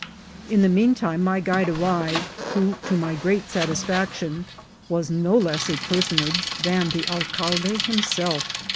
In the mean time my guide arrived, who, to my great satisfaction, was no less a personage than the alcalde himself.